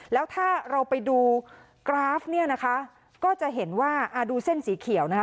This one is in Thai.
แล้วถ้าเราไปดูกราฟเนี่ยนะคะก็จะเห็นว่าอ่าดูเส้นสีเขียวนะคะ